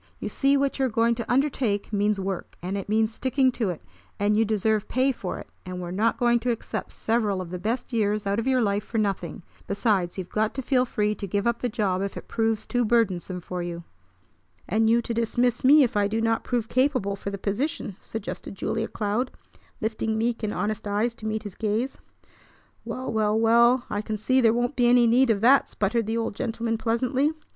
You see what you are going to undertake means work, and it means sticking to it; and you deserve pay for it, and we're not going to accept several of the best years out of your life for nothing. Besides, you've got to feel free to give up the job if it proves too burdensome for you." "And you to dismiss me if I do not prove capable for the position," suggested Julia Cloud, lifting meek and honest eyes to meet his gaze. "Well, well, well, I can see there won't be any need of that!" sputtered the old gentleman pleasantly.